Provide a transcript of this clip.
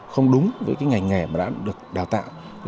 không đúng với cái ngành nghề mà đã được đào tạo